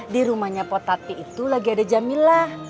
di rumahnya po tati itu lagi ada jamilah